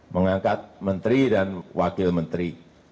mengangkat menteri dan wakil menteri